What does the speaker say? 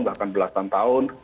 bahkan belasan tahun